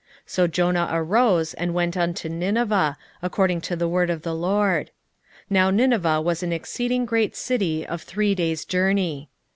3:3 So Jonah arose, and went unto Nineveh, according to the word of the LORD. Now Nineveh was an exceeding great city of three days' journey.